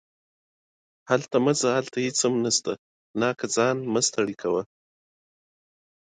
ورسره شور، راوړه